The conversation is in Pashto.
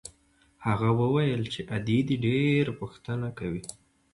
هغه وويل چې ادې دې ډېره پوښتنه کوي.